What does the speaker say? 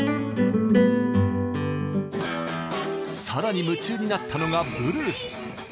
さらに夢中になったのがブルース。